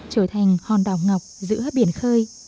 trở thành hòn đảo ngọc giữa biển khơi